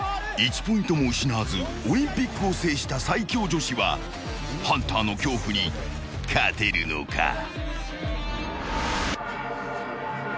［１ポイントも失わずオリンピックを制した最強女子はハンターの恐怖に勝てるのか？］